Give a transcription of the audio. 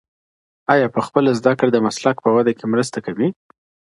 آیا پخپله زده کړه د مسلک په وده کي مرسته کوي؟